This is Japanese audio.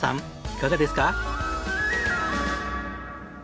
いかがですか？